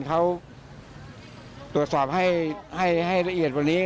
เขาตรวจสอบให้ละเอียดกว่านี้